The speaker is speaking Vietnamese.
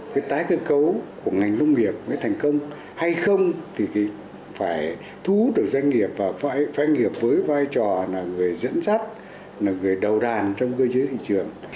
cái tái cơ cấu của ngành nông nghiệp mới thành công hay không thì phải thu hút được doanh nghiệp và doanh nghiệp với vai trò là người dẫn dắt là người đầu đàn trong cơ chế thị trường